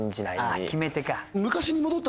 ああ決め手か。